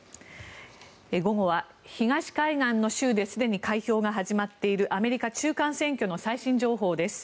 午後は、東海岸の州ですでに開票が始まっているアメリカ中間選挙の最新情報です。